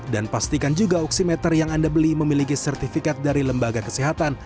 dan pastikan juga oksimeter yang anda beli memiliki sertifikat dari lembaga kesehatan